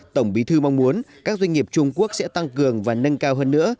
tổng bí thư mong muốn các doanh nghiệp trung quốc sẽ tăng cường và nâng cao hơn nữa